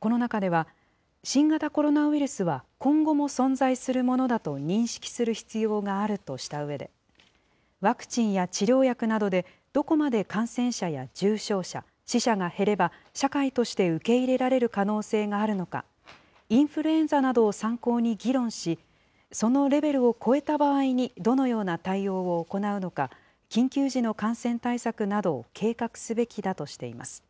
この中では、新型コロナウイルスは、今後も存在するものだと認識する必要があるとしたうえで、ワクチンや治療薬などで、どこまで感染者や重症者、死者が減れば、社会として受け入れられる可能性があるのか、インフルエンザなどを参考に議論し、そのレベルを超えた場合にどのような対応を行うのか、緊急時の感染対策などを計画すべきだとしています。